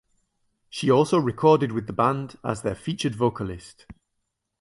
She also recorded with the band as their featured vocalist.